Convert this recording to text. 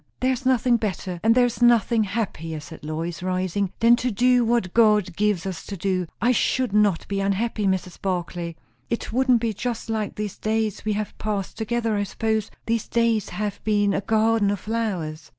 "There is nothing better, and there is nothing happier," said Lois, rising, "than to do what God gives us to do. I should not be unhappy, Mrs. Barclay. It wouldn't be just like these days we have passed together, I suppose; these days have been a garden of flowers."